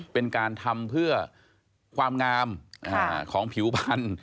เป็นการทำเพื่อความงามของผิวพันธุ